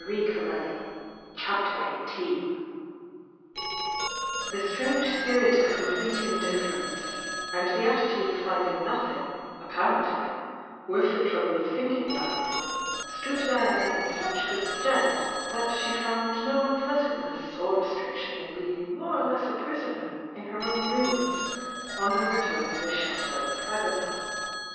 iit ^^i md^i CHAPTER XVIII Thb strange spirit of complete indifference, and the attitude of finding nothing, apparently, worth the trouble of thinking about, stood Diana in such good stead, that she found no unpleasantness or restriction in being more or less a prisoner in her own rooms on her return to the Chateau Fragonard.